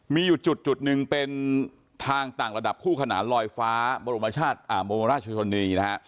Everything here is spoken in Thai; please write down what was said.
มีอยู่จุดหนึ่งเป็นทางต่างระดับคู่ขนานลอยฟ้าบรมราชชนนีนะฮะ